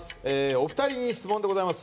お二人に質問でございます。